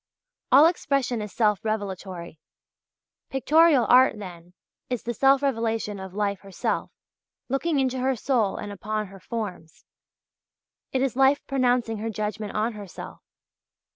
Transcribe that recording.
All expression is self revelatory. Pictorial art, then, is the self revelation of life herself looking into her soul and upon her forms. It is life pronouncing her judgment on herself.